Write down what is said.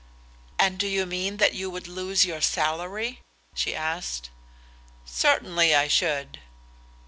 "And do you mean that you would lose your salary?" she asked. "Certainly I should."